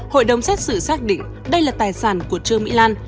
hội đồng xét xử xác định đây là tài sản của trương mỹ lan